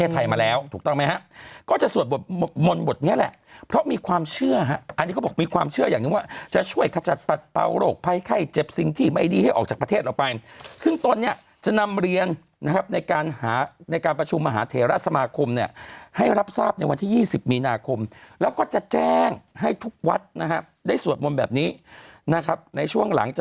สุดนี้แหละเพราะมีความเชื่อฮะอันนี้ก็บอกมีความเชื่ออย่างนึงว่าจะช่วยขจัดปลาโรคไพไข้เจ็บสิ่งที่ไม่ดีให้ออกจากประเทศเราไปซึ่งตอนเนี้ยจะนำเรียนนะครับในการหาในการประชุมมหาเทรสมาคมเนี้ยให้รับทราบในวันที่ยี่สิบมีนาคมแล้วก็จะแจ้งให้ทุกวัดนะครับได้สวดมนตร์แบบนี้นะครับในช่